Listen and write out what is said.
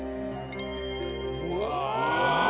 うわ！